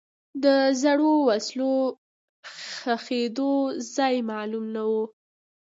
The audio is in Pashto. د زړو وسلو ښخېدو ځای معلوم نه و.